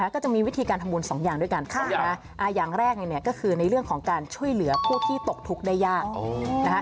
ก็จะมีวิธีการทำบุญสองอย่างด้วยกันอย่างแรกก็คือในเรื่องของการช่วยเหลือผู้ที่ตกทุกข์ได้ยาก